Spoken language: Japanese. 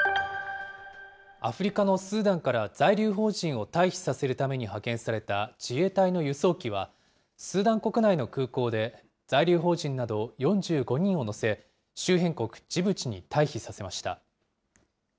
アフリカのスーダンから在留邦人を退避させるために派遣された自衛隊の輸送機は、スーダン国内の空港で在留邦人など４５人を乗せ、周辺国ジブチに退避させました。